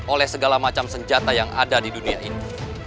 oleh segala macam senjata yang ada di dunia ini